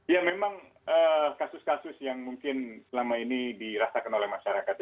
ya memang kasus kasus yang mungkin selama ini dirasakan oleh masyarakat